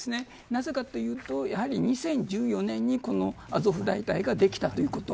なぜかというと、２０１４年にアゾフ大隊ができたということ。